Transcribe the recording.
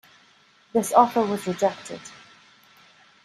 This offer was rejected.